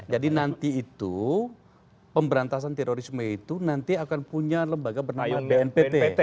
jadi nanti itu pemberantasan terorisme itu nanti akan punya lembaga bernama bnpt